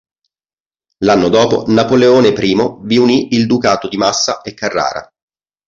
L'anno dopo, Napoleone I vi unì il ducato di Massa e Carrara.